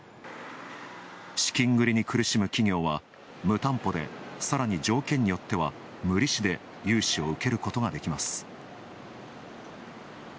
資金繰りに苦しむ企業は、無担保でさらに条件によっては無利子で融資を受けることができます。